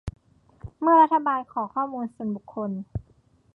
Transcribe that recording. เมื่อรัฐบาลขอข้อมูลส่วนบุคคล